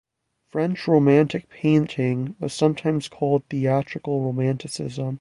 French romantic painting was sometimes called "theatrical romanticism".